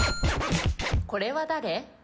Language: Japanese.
これは誰？